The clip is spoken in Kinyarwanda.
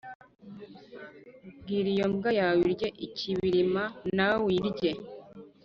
bwira iyo mbwa yawe irye ikibirima, nawe uyirye